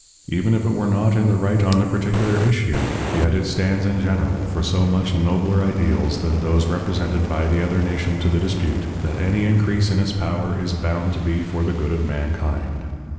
Even if it were not in the right on the particular issue, yet it stands in general for so much nobler ideals than those represented by the other nation to the dispute, that any increase in its power is bound to be for the good of mankind.